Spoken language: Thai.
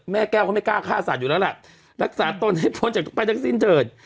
แม่แก้วเขาไม่กล้าฆ่าสัตว์อยู่แล้วล่ะรักษาตนให้พ้นจากทุกไปทั้งสิ้นเถิด